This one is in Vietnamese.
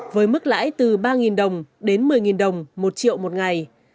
với mức lãi từ ba đồng đến một mươi đồng một triệu một ngày